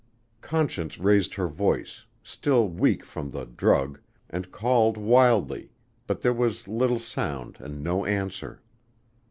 Conscience raised her voice still weak from the drug and called wildly, but there was little sound and no answer.